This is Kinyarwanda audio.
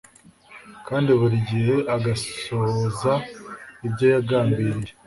kandi buri gihe agasohoza ibyo yagambiriye